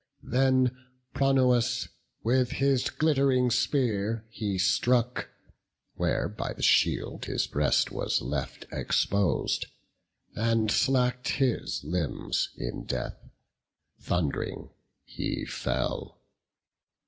Then Pronous with his glitt'ring spear he struck, Where by the shield his breast was left expos'd, And slack'd his limbs in death; thund'ring he fell.